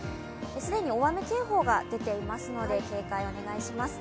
既に大雨警報が出ていますので警戒をお願いします。